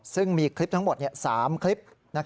ซึ่งมีคลิปทั้งหมด๓คลิป